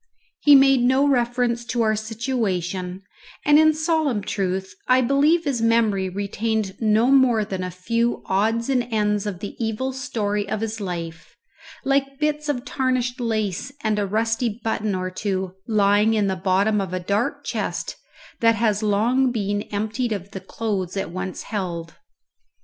He made no reference to our situation, and in solemn truth I believe his memory retained no more than a few odds and ends of the evil story of his life, like bits of tarnished lace and a rusty button or two lying in the bottom of a dark chest that has long been emptied of the clothes it once held.